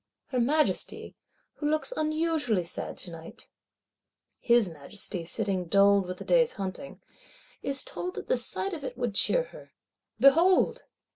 Her Majesty, who looks unusually sad tonight (his Majesty sitting dulled with the day's hunting), is told that the sight of it would cheer her. Behold!